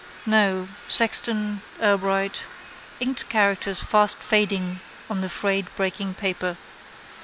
no, Sexton, Urbright. Inked characters fast fading on the frayed breaking paper.